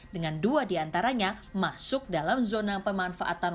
dengan dua di antaranya masuk dalam zona pemanfaatan wisata darat dan bahari